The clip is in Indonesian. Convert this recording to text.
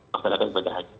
masalahkan sebagai haji